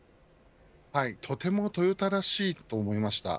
とてもトヨタらしいと思いました。